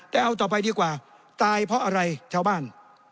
แต่เอาต่อไปดีกว่าตายเพราะอะไรชาวบ้าน